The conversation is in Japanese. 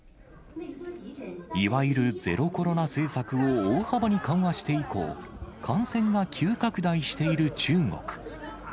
いわゆるゼロコロナ政策を大幅に緩和して以降、感染が急拡大している中国。